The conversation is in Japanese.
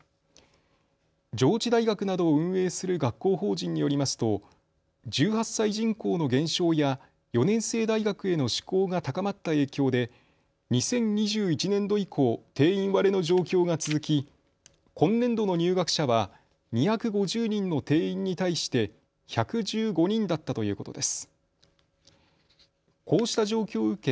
上智大学などを運営する学校法人によりますと１８歳人口の減少や４年制大学への志向が高まった影響で２０２１年度以降、定員割れの状況が続き今年度の入学者は２５０人の定員に対して１１５人だったということです。